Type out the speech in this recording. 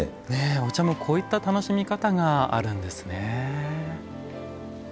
お茶もこういった楽しみ方があるんですね。